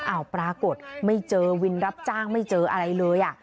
ปรากฏไม่เจอวินรับจ้างไม่เจออะไรเลย